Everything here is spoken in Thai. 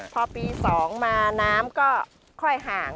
พอปี๒มาน้ำก็ค่อยห่าง